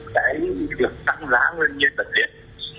cái việc tăng giá lên nhân vật điện